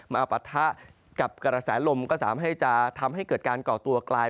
ปะทะกับกระแสลมก็สามารถให้จะทำให้เกิดการก่อตัวกลาย